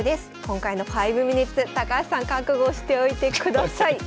今回の「５ｍｉｎｕｔｅｓ」高橋さん覚悟しておいてください。